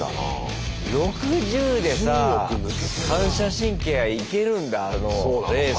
６０でさ反射神経がいけるんだレースの。